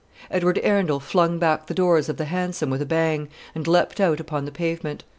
Edward Arundel flung back the doors of the hansom with a bang, and leaped out upon the pavement.